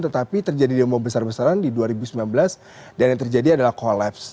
tetapi terjadi demo besar besaran di dua ribu sembilan belas dan yang terjadi adalah kolaps